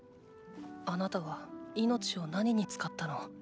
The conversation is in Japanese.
あなたは命を何に使ったの？